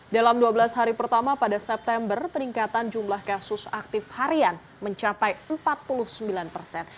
dalam dua belas hari pertama pada september peningkatan jumlah kasus aktif harian mencapai empat puluh sembilan persen